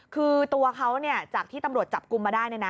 คือตัวเขาจากที่ตำรวจจับกลุ่มมาได้